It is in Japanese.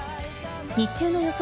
日中の予想